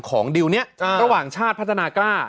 ดิวนี้ระหว่างชาติพัฒนากล้า